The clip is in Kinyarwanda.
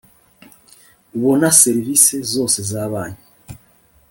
ubona serivisi zose za banki